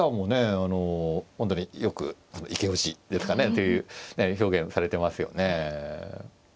あの本当によくイケおじですかねという表現をされてますよね。